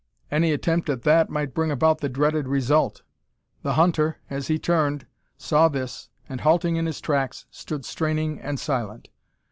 Any attempt at that might bring about the dreaded result. The hunter, as he turned, saw this, and halting in his tracks, stood straining and silent.